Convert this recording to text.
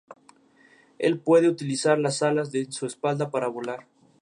Él puede utilizar las alas en su espalda para volar.